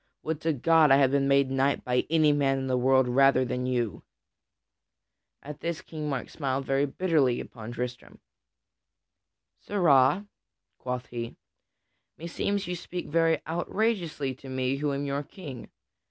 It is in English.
Would to God I had been made knight by any man in the world rather than by you." At this King Mark smiled very bitterly upon Tristram. "Sirrah," quoth he, "meseems you speak very outrageously to me who am your King.